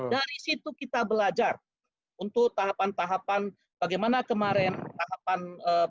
dari situ kita belajar untuk tahapan tahapan bagaimana kemarin tahapan